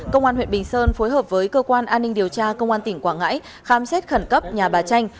công an huyện bình sơn phối hợp với cơ quan an ninh điều tra công an tỉnh quảng ngãi khám xét khẩn cấp nhà bà tranh